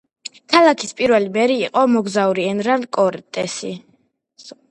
ქალაქის პირველი მერი იყო მოგზაური ერნან კორტესი.